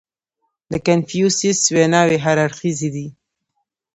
• د کنفوسیوس ویناوې هر اړخیزې دي.